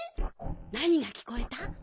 なにがきこえた？